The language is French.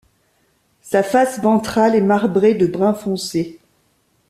Sa face ventrale est marbrée de brun foncé.